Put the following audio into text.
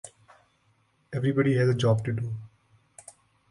Everybody has a job to do.